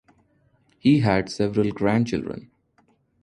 He had several grandchildren.